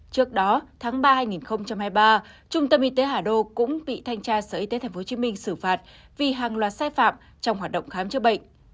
trước đó tháng ba hai nghìn hai mươi ba trung tâm y tế hà đô cũng bị thanh tra sở y tế tp hcm xử phạt vì hàng loạt sai phạm trong hoạt động khám chữa bệnh